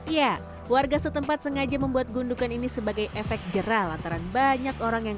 ya warga setempat sengaja membuat gundukan ini sebagai efek jerah lantaran banyak orang yang